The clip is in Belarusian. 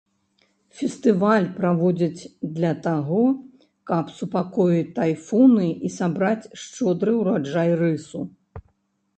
Фестываль праводзяць для таго, каб супакоіць тайфуны і сабраць шчодры ўраджай рысу.